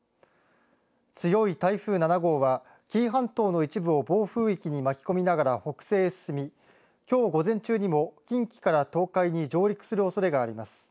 強い台風７号は紀伊半島の一部を暴風域に巻き込みながら北西へ進み、きょう午前中にも近畿から東海に上陸するおそれがあります。